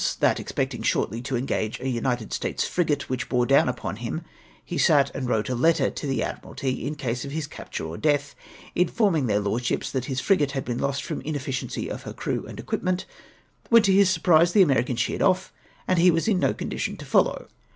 that expecting shortly to engage a United States frigate which bore down upon him, he sat down and wrote a letter to the Admii^alty in case of his capture or death, informing their lordships that his frigate had been lost from inefficiency of her crew and equipment, when, to his surprise, the American sheered off, and he was in no condition to follow.